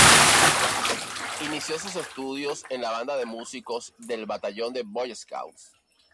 Inició sus estudios en la Banda de Músicos del Batallón de Boys Scouts.